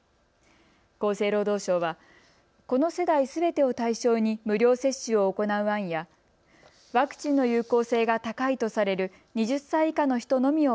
厚生労働省はこの世代すべてを対象に無料接種を行う案やワクチンの有効性が高いとされる２０歳以下の人のみを